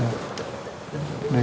saya mau ke kamar mandi